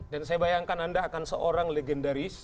dan saya bayangkan anda akan seorang legendaris